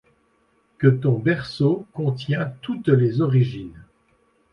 Que ton berceau contient toutes les origines